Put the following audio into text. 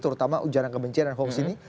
terutama ujaran kebencian dan hoax ini